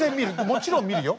もちろん見るよ。